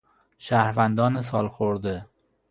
شهروندان سالخورده